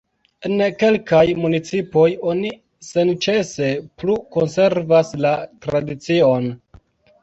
En kelkaj municipoj oni senĉese plu konservas la tradicion.